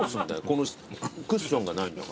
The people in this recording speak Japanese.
このクッションがないんだから。